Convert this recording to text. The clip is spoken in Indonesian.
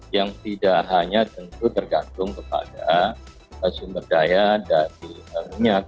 yang tidak hanya tentu tergantung kepada sumber daya dari minyak